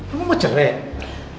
bapak mau cerai